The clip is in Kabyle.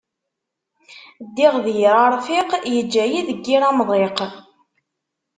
Ddiɣ d yir aṛfiq, iǧǧa-yi deg yir amḍiq.